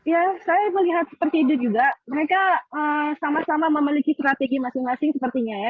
ya saya melihat seperti itu juga mereka sama sama memiliki strategi masing masing sepertinya ya